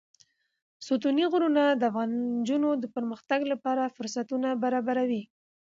ستوني غرونه د افغان نجونو د پرمختګ لپاره فرصتونه برابروي.